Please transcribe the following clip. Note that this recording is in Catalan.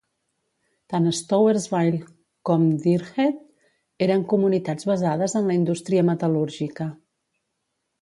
Tant Stowersville com Deerhead eren comunitats basades en la indústria metal·lúrgica.